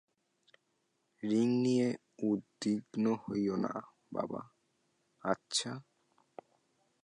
Ring নিয়ে, উদ্বিগ্ন হইয়ো না, বাবা, আচ্ছা?